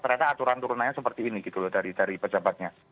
karena aturan turunannya seperti ini gitu loh dari pejabatnya